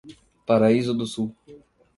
Paraíso do Sul